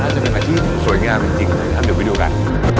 จะเป็นอะไรที่สวยงามจริงนะครับเดี๋ยวไปดูกัน